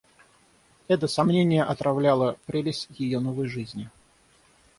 Это сомнение отравляло прелесть ее новой жизни.